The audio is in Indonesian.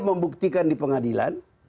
membuktikan di pengadilan